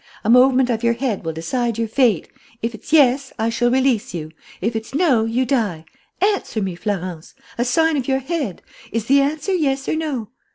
A movement of your head will decide your fate. If it's yes, I shall release you. If it's no, you die. Answer me, Florence! A sign of your head: is the answer yes or no?'